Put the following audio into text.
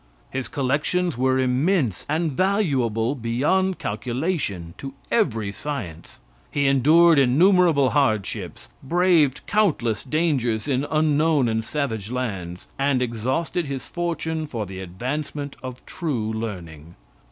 His collections were immense, and valuable beyond calculation to every science. He endured innumerable hardships, braved countless dangers in unknown and savage lands, and exhausted his fortune for the advancement of true learning.